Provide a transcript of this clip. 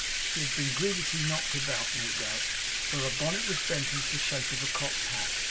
She had been grievously knocked about, no doubt, for her bonnet was bent into the shape of a cocked hat.